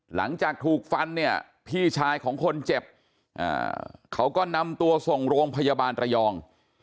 หลังจากถูกฟันเนี่ยพี่ชายของคนเจ็บเขาก็นำตัวส่งโรงพยาบาลระยอง